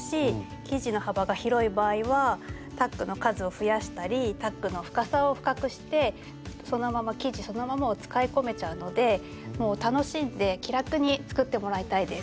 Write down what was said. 生地の幅が広い場合はタックの数を増やしたりタックの深さを深くして生地そのままを使い込めちゃうのでもう楽しんで気楽に作ってもらいたいです。